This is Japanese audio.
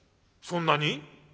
「そんなに？